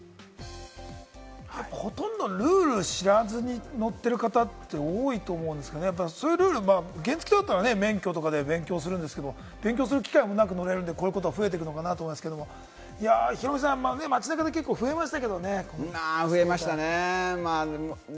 ほとんどルールを知らずに乗ってる方って多いと思うんですけれどもね、そういうルール、原付だったら免許とかで勉強するんですけれども、勉強する機会なく乗れるので、こういう機会が増えるのかなと思うんですけれども、街中で増えましたよね、ヒロミさん。